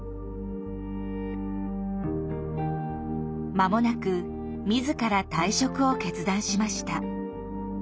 間もなく自ら退職を決断しました。